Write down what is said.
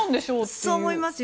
そう思いますよ。